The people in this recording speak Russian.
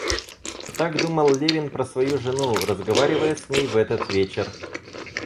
Так думал Левин про свою жену, разговаривая с ней в этот вечер.